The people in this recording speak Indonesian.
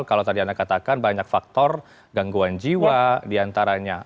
kalau tadi anda katakan banyak faktor gangguan jiwa diantaranya